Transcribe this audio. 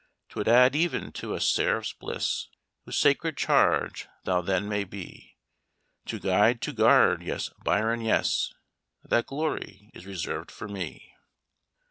"'Twould add even to a seraph's bliss, Whose sacred charge thou then may be, To guide to guard yes, Byron! yes, That glory is reserved for me."